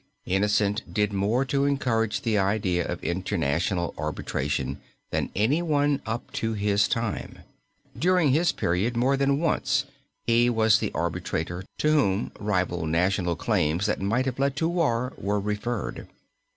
Innocent did more to encourage the idea of international arbitration than anyone up to his time. During his period more than once he was the arbitrator to whom rival national claims that might have led to war were referred.